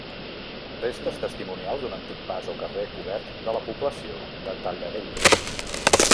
Restes testimonials d'un antic pas o carrer cobert de la població del Talladell.